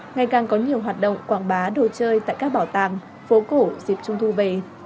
ngày càng có nhiều hoạt động quảng bá đồ chơi tại các bảo tàng phố cổ dịp trung thu về